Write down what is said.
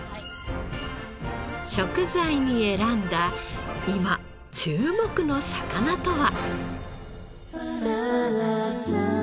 食材に選んだ今注目の魚とは？